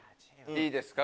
いいですか？